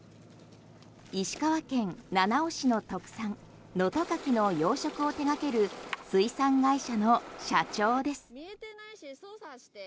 石川県七尾市の特産能登カキの養殖を手がける水産会社の社長です。